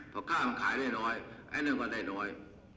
เพราะข้าวมันขายได้น้อยเนื่องกันได้น้อย